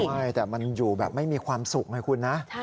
ใช่แต่มันอยู่แบบไม่มีความสุขไงคุณนะ